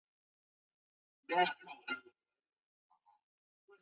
而亚里斯多德在书中讨论的问题成为了形上学的很多基本问题。